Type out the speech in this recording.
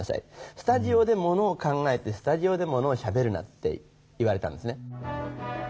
スタジオでものを考えてスタジオでものをしゃべるなって言われたんですね。